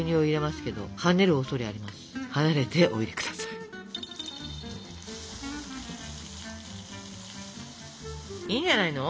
いいんじゃないの？